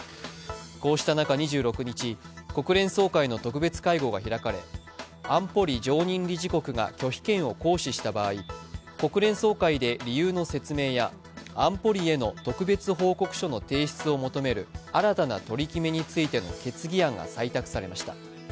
こうした中、２６日、国連総会の特別会合が開かれ安保理常任理事国が拒否権を行使した場合国連総会で理由の説明や、安保理への特別報告書の提出を求める新たな取り決めについての決議案が採択されました。